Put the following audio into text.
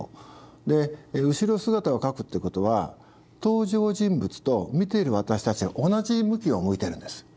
で後ろ姿を描くってことは登場人物と見ている私たちが同じ向きを向いてるんです。